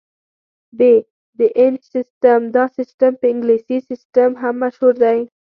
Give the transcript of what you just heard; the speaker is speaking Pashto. ب - د انچ سیسټم: دا سیسټم په انګلیسي سیسټم هم مشهور دی.